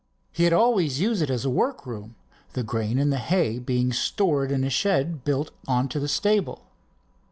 He had always used it as a work room, the grain and hay being stored in a shed built onto the stable.